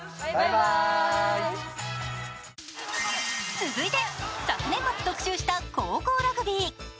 続いて、昨年末特集した高校ラグビー。